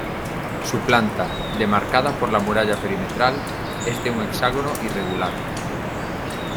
Su planta, demarcada por la muralla perimetral, es de un hexágono irregular.